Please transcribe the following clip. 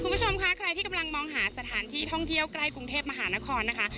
คุณผู้ชมคะใครที่กำลังมองหาสถานที่ท่องเที่ยวใกล้กรุงเทพมหานครนะคะ